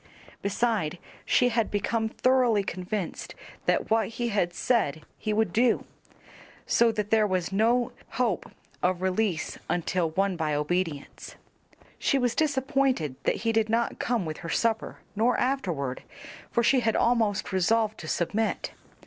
Beside she had become thoroughly convinced that what he had said he would do, so that there was no hope of release until won by obedience. She was disappointed that he did not come with her supper nor afterward, for she had almost resolved to submit.